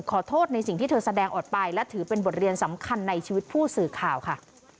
ขอโทษในสิ่งที่เธอแสดงออกไปและถือเป็นบทเรียนสำคัญในชีวิตผู้สื่อข่าวค่ะ